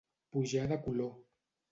Pujar de color.